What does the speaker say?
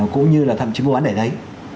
cũng như là thậm chí mua bán để đấy